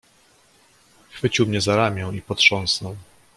"Chwycił mnie za ramię i potrząsnął."